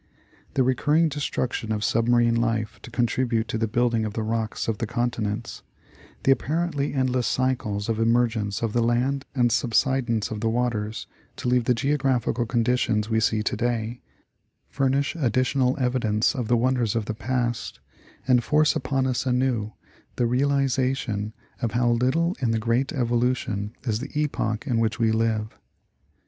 The recurring destruction of submarine life to contrib ute in the building of the rocks of the Continents : the appar ently endless cycles of emergence of the land and subsidence of the waters, to leave the Geographical conditions we see to day, furnish additional evidence of the wonders of the past and force upon us anew the realization of how little in the great evolution is the epoch in which we live.